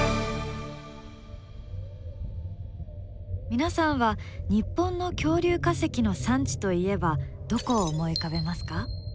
皆さんは日本の恐竜化石の産地といえばどこを思い浮かべますか？